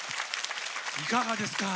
いかがですか？